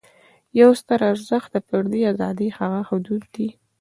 یو ستر ارزښت د فردي آزادۍ هغه حدود دي.